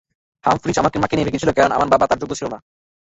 Humphreys আমার মাকে নিয়ে ভেগেছিল, কারণ আমার বাবা তার যোগ্য ছিল না।